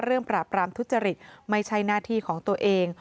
ปราบรามทุจริตไม่ใช่หน้าที่ของตัวเอง